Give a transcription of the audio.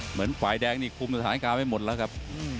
เหมือนฝ่ายแดงนี่คุมสถานการณ์ไว้หมดแล้วครับ